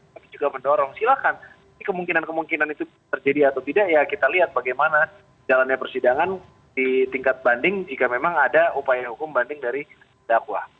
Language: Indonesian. kami juga mendorong silakan kemungkinan kemungkinan itu terjadi atau tidak ya kita lihat bagaimana jalannya persidangan di tingkat banding jika memang ada upaya hukum banding dari dakwah